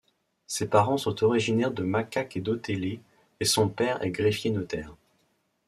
Ses parents sont originaires de Makak et d'Otélé, et son père est greffier-notaire.